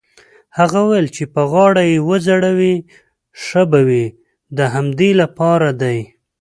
هغه وویل: چې په غاړه يې وځړوې ښه به وي، د همدې لپاره دی.